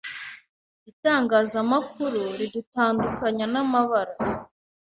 Itangazamakuru ridutandukanya namabara,